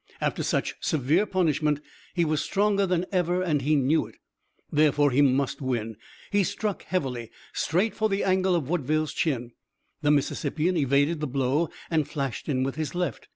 After such severe punishment he was stronger than ever and he knew it. Therefore he must win. He struck heavily, straight for the angle of Woodville's chin. The Mississippian evaded the blow and flashed in with his left.